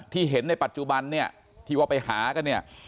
ที่เห็นในปัจจุบันเนี่ยที่ว่าไปหากันเนี่ย